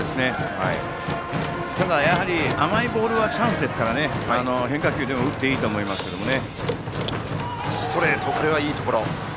ただ、やはり甘いボールはチャンスですから変化球でも打っていいと思いますけどね。